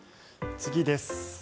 次です。